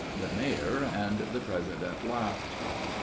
The Mayor and the President laughed.